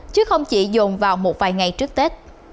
chứ không chỉ dồn vào một vài ngày trước tết